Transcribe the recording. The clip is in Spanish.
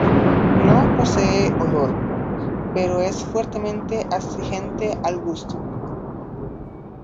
No posee olor, pero es fuertemente astringente al gusto.